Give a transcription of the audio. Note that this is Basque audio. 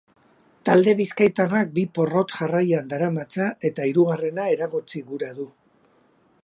Talde bizkaitarrak bi porrot jarraian daramatza eta hirugarrena eragotzi gura du.